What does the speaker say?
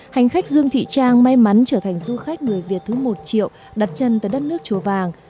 hành khách dương thị trang may mắn trở thành du khách người việt thứ một triệu đặt chân tới đất nước chùa vàng